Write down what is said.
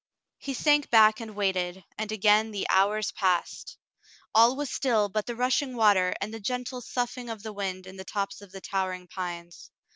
He sank back and waited, and again the hours passed. All was still but the rushing water and the gentle soughing of the wind in the tops of the towering pines.